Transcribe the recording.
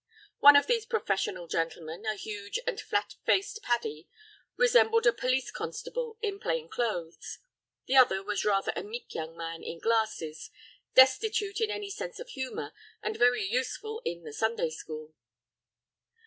One of these professional gentlemen, a huge and flat faced Paddy, resembled a police constable in plain clothes. The other was rather a meek young man in glasses, destitute of any sense of humor, and very useful in the Sunday school.